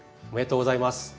おめでとうございます。